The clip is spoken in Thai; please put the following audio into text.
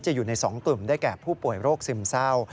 อยู่ใน๒กลุ่มได้แก่ผู้ป่วยโรคซึมเศร้า